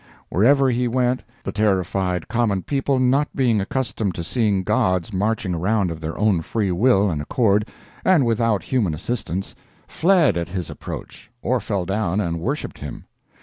Wherever he went the terrified common people not being accustomed to seeing gods marching around of their own free will and accord and without human assistance, fled at his approach or fell down and worshipped him.